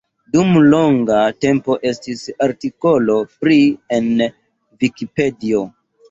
Dum longa tempo estis artikolo pri en Vikipedio.